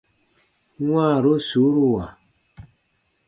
Wãaru suuruwa.